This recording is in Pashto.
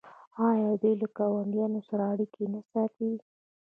آیا دوی له ګاونډیانو سره اړیکې نه ساتي؟